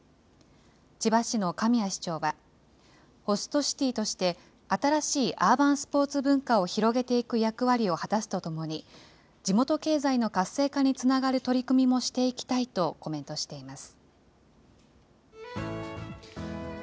千葉市の神谷市長は、ホストシティとして、新しいアーバンスポーツ文化を広げていく役割を果たすとともに、地元経済の活性化につながる取り組みもしていきたいとコメントしています。